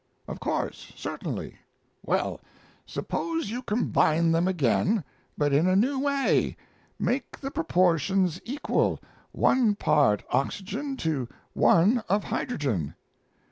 "Of course. Certainly. Well, suppose you combine them again, but in a new way: make the proportions equal one part oxygen to one of hydrogen?"